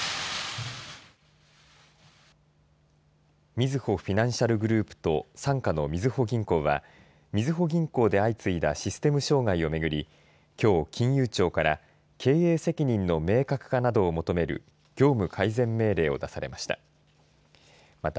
みずほフィナンシャルグループと傘下のみずほ銀行はみずほ銀行で相次いだシステム障害をめぐりきょう、金融庁から経営責任の明確化などを求める業務改善命令を出されました。